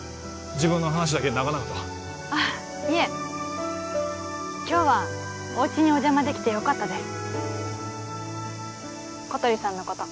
自分の話だけ長々とあっいえ今日はおうちにお邪魔できてよかったです